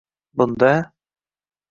Bunda